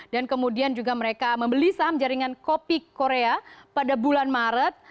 dan kemudian juga mereka membeli saham jaringan kopi korea pada bulan maret